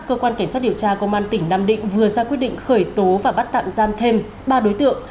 cơ quan cảnh sát điều tra công an tỉnh nam định vừa ra quyết định khởi tố và bắt tạm giam thêm ba đối tượng